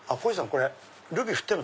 これルビ振ってある。